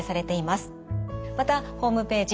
またホームページ